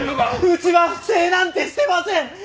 うちは不正なんてしてません！